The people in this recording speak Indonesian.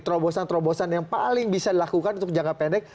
terobosan terobosan yang paling bisa dilakukan untuk jangka pendek